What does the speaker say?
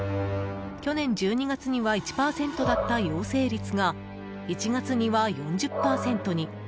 去年１２月には１％だった陽性率が、１月には４０％に。